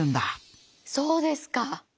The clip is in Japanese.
そうですか！